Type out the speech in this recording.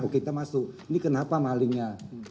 oh kita masuk ini kenapa malingnya